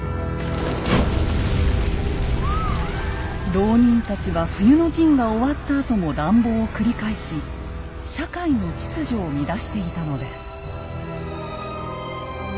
牢人たちは冬の陣が終わったあとも乱暴を繰り返し社会の秩序を乱していたのです。